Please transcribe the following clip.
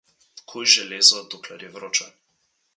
Kuj železo, dokler je vroče.